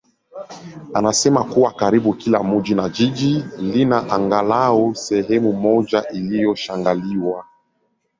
anasema kuwa karibu kila mji na jiji lina angalau sehemu moja iliyoshangiliwa.